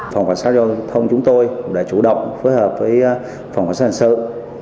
phòng quản sát giao thông chúng tôi đã chủ động phối hợp với phòng quản sát hành sự